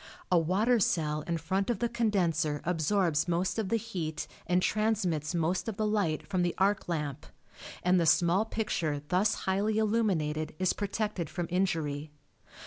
A water cell in front of the condenser absorbs most of the heat and transmits most of the light from the arc lamp, and the small picture thus highly illuminated is protected from injury.